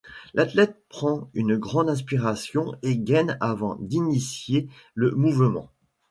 L'athlète prend une grande inspiration et gaine avant d'initier le mouvement.